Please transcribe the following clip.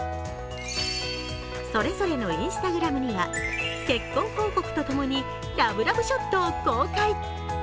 それぞれのＩｎｓｔａｇｒａｍには、結婚報告とともにラブラブショットを公開。